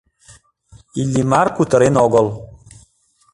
Иллимар кутырен огыл.